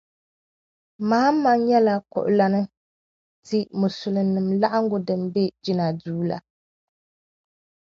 Mahama nyɛla kuɣulana ti Musuliminima laɣangu din bɛ jinna duu la..